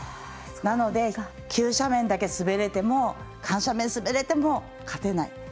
なので、急斜面だけ滑れても緩斜面だけ滑れても勝てない。